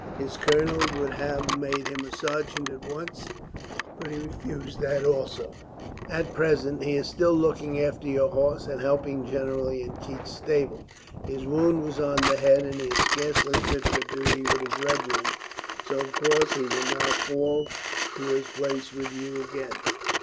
His colonel would have made him a sergeant at once, but he refused that also. "Just at present he is still looking after your horse, and helping generally in Keith's stable. His wound was on the head, and he is scarcely fit for duty with his regiment, so of course he will now fall in to his place with you again."